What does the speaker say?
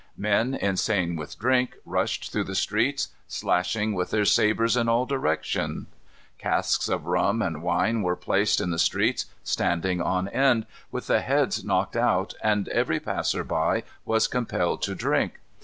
Men, insane with drink, rushed through the streets, slashing with their sabres in all directions. Casks of rum and wine were placed in the streets, standing on end, with the heads knocked out, and every passer by was compelled to drink.